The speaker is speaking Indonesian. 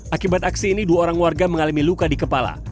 akibat aksi ini dua orang warga mengalami luka di kepala